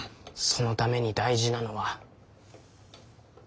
そのために大事なのは。